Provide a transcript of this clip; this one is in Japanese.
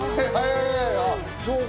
そうか。